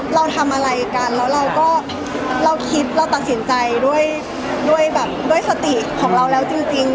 เราทำอะไรกันแล้วเราก็เราคิดเราตัดสินใจด้วยด้วยแบบด้วยสติของเราแล้วจริง